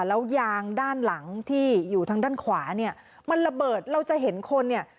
แล้วยางด้านหลังที่อยู่ทางด้านขวาเนี่ยมันระเบิดเราจะเห็นคนเนี่ย